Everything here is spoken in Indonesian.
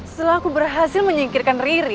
setelah aku berhasil menyekirkan riri